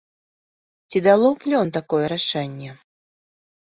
Ці дало плён такое рашэнне?